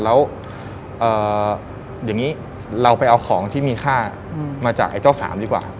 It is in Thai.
แล้วอย่างนี้เราไปเอาของที่มีค่ามาจากไอ้เจ้าสามดีกว่า